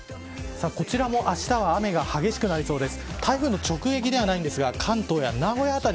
こちらも、あしたは雨が激しくなりそうです。